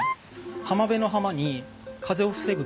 浜辺の「浜」に風を防ぐ